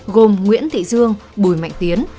gồm nguyễn thị dương bùi mạnh tiến